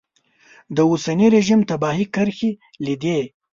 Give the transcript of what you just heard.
د اوسني رژیم تباهي کرښې لیدلې.